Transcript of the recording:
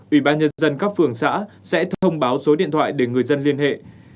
ủy ban nhân dân các phường xã sẽ thông báo số điện thoại để người dân liên hệ